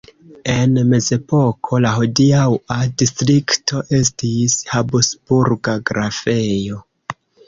En mezepoko la hodiaŭa distrikto estis habsburga grafejo.